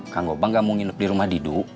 kang gobang gak mau nginep di rumah didu